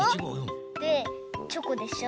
でチョコでしょ。